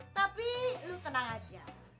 tapi lo tenang aja